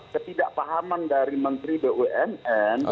ketidakpahaman dari menteri bunn